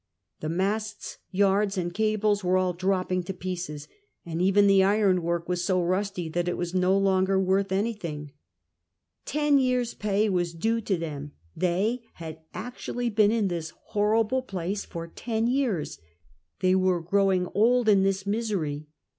Tlie masts, yards, and cables Avere all dropping to jneces, and even the irouAVork was so rusty that it Avas no longer worth anything. Ten yeai s' jiay Avas due to them. They had actually been in this horrible place for ten years. They were growing old in this misery.